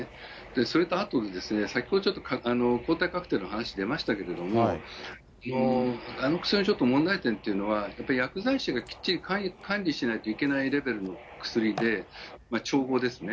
それとあと、先ほどちょっと抗体カクテルの話、出ましたけれども、あの薬のちょっと問題点というのは、やっぱり薬剤師がきっちり管理しないといけないレベルの薬で、調合ですね。